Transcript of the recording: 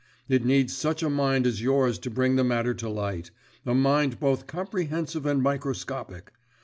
It needs such a mind as yours to bring the matter to light a mind both comprehensive and microscopic.